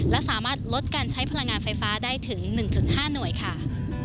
และสามารถลดการใช้พลังงานไฟฟ้าได้ถึง๑๕หน่วยค่ะ